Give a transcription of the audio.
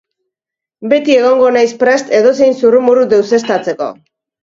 Beti egongo naiz prest edozein zurrumurru deuseztatzeko.